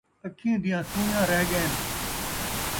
اکّھیں دیاں سوئیاں رہ ڳئین